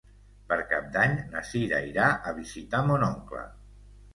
Per Cap d'Any na Sira irà a visitar mon oncle.